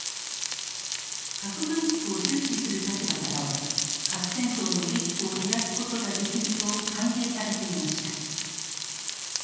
核軍縮を重視する立場からは核戦争のリスクを減らすことができると歓迎されていました。